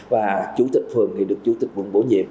và chủ tịch phường thì được chủ tịch quận bổ nhiệm